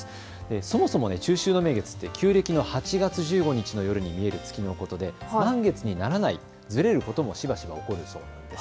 そもそも中秋の名月は旧暦の８月１５日の夜に見える月のことで満月にならない、ずれることもしばしば起こるそうです。